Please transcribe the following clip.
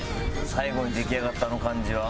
最後に出来上がったあの感じは。